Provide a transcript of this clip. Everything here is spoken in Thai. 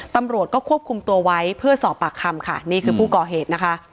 ตำรวจก็ควบคุมตัวไว้เพื่อสอบปากคำค่ะนี่คือผู้ก่อเหตุนะคะ